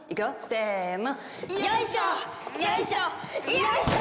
せの。